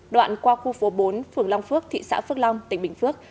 đoạn qua khu phố bốn phường long phước thị xã phước long tỉnh bình phước